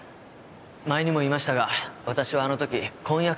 前にも言いましたが私はあのとき婚約者と一緒に。